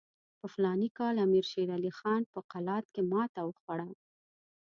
په فلاني کال کې امیر شېر علي خان په قلات کې ماته وخوړه.